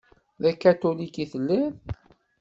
D akatulik i telliḍ?